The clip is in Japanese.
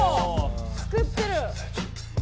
作ってる！